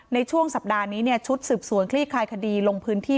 ในช่วงสัปดาห์นี้ชุดสืบสวนคลี่คลายคดีลงพื้นที่